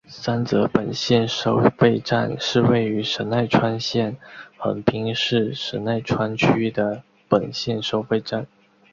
三泽本线收费站是位于神奈川县横滨市神奈川区的本线收费站。